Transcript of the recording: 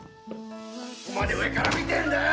どこまで上から見てんだよ！